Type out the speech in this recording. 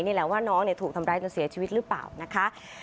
นี่แหละว่าน้องถูกทำร้ายจนเสียชีวิตหรือเปล่านะคะ